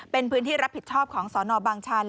เป็นพื้นที่รับผิดชอบของสนบางชัน